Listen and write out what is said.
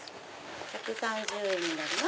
１３０円になります。